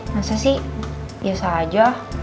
masa sih biasa aja